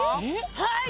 はい！